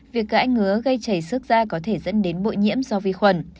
việc gãi ngứa gây chảy sức da có thể dẫn đến bội nhiễm do vi khuẩn